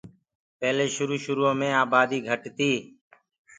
پڇي شروُ شروٚئو مي آباديٚ گھٽ تيٚ۔